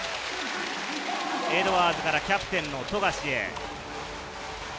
エドワーズからキャプテンの富樫へ。